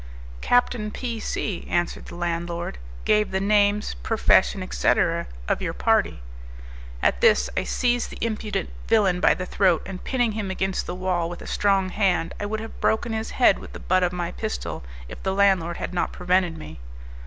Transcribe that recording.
"Captain P C ," answered the landlord, "gave the names, profession, etc., of your party." At this I seized the impudent villain by the throat, and pinning him against the wall with a strong hand I would have broken his head with the butt of my pistol, if the landlord had not prevented me.